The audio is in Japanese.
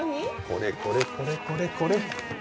これこれこれこれこれ。